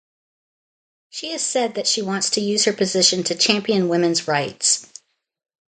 She has said that she wants to use her position to champion women's rights.